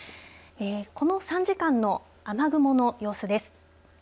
この３時間の雨雲の様子です。